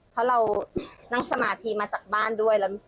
เพราะเรานั่งสมาธิมาจากบ้านด้วย